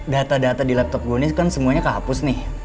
data data di laptop gonis kan semuanya kehapus nih